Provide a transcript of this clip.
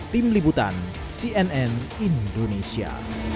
tim liputan cnn indonesia